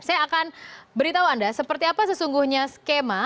saya akan beritahu anda seperti apa sesungguhnya skema